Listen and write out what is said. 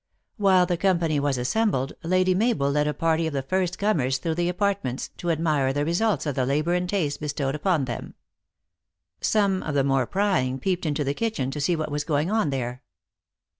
While the company was assembled, Lady Mabel led a party of the first comers through the apart ments, to admire the results of the labor and taste bestowed upon them. Some of the more prying peeped into the kitchen to see what was going on there.